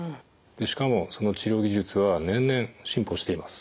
しかもその治療技術は年々進歩しています。